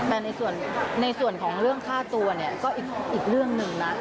แต่ในส่วนของเรื่องค่าตัวเนี่ยก็อีกเรื่องหนึ่งนะ